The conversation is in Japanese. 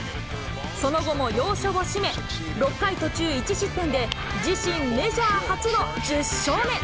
その後も要所を締め、６回途中１失点で、自身メジャー初の１０勝目。